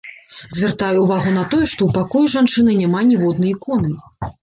Звяртаю ўвагу на тое, што ў пакоі жанчыны няма ніводнай іконы.